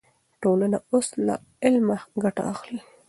ټولنه اوس له علمه ګټه اخلي.